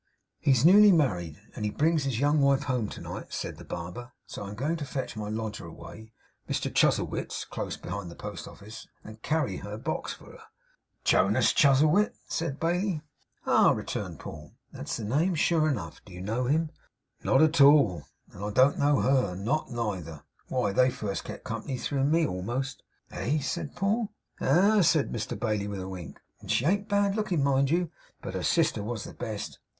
'He's newly married, and he brings his young wife home to night,' said the barber. 'So I'm going to fetch my lodger away Mr Chuzzlewit's, close behind the Post Office and carry her box for her.' 'Jonas Chuzzlewit's?' said Bailey. 'Ah!' returned Paul: 'that's the name sure enough. Do you know him?' 'Oh, no!' cried Mr Bailey; 'not at all. And I don't know her! Not neither! Why, they first kept company through me, a'most.' 'Ah?' said Paul. 'Ah!' said Mr Bailey, with a wink; 'and she ain't bad looking mind you. But her sister was the best.